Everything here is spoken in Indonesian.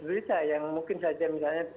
indonesia yang mungkin saja misalnya